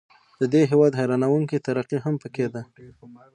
د دې هیواد حیرانوونکې ترقي هم پکې ده.